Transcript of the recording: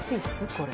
これ。